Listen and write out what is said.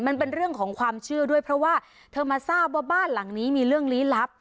มันเป็นเรื่องของความเชื่อด้วยเพราะว่าเธอมาทราบว่าบ้านหลังนี้มีเรื่องลี้ลับ